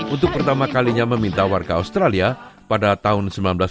untuk pertama kalinya meminta warga australia pada tahun seribu sembilan ratus sembilan puluh